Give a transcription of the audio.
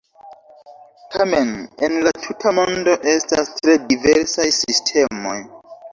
Tamen en la tuta mondo estas tre diversaj sistemoj.